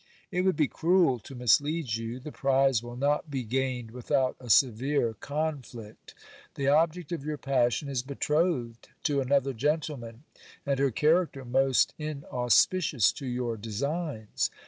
It would be cruel to mislead you : the prize will not be gained without a severe conflict. The object of your passion is betrothed to another gentleman, and her character most inauspicious to your designs.